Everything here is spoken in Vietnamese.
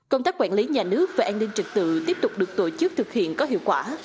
công tác quản lý nhà nước về an ninh trực tự tiếp tục được tổ chức thực hiện có hiệu quả